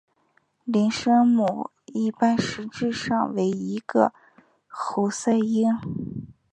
零声母一般实质上为一个喉塞音。